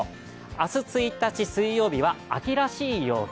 明日１日水曜日は秋らしい陽気。